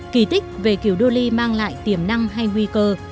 kỳ tích về kyudoli mang lại tiềm năng hay nguy cơ